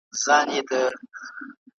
یو ستا سره مي مینه ولي ورځ په ورځ زیاتېږي `